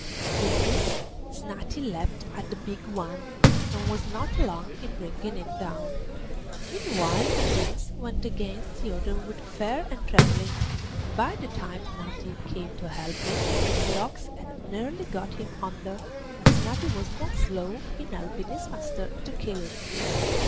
With this Snati leapt at the big one, and was not long in bringing him down. Meanwhile the Prince went against the other with fear and trembling, and by the time Snati came to help him the ox had nearly got him under, but Snati was not slow in helping his master to kill it.